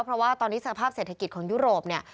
เพราะว่าตอนนี้สภาพเศรษฐกิจของยุโรปเนี่ย